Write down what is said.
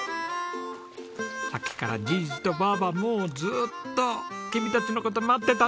さっきからじいじとばあばはもうずっと君たちの事待ってたんだよ。